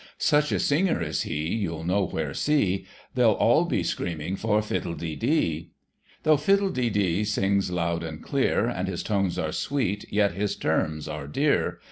Such a singer as he, You'll nowhere see. They'll all be screaming for Fiddle de dee !*— ^Though Fiddle de dee sings loud and clear. And his tones are sweet, yet his terms are dear